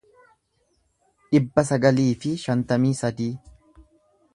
dhibba sagalii fi shantamii sadii